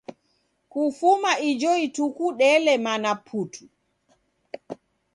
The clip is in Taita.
Kufuma ijo ituku delemana putu!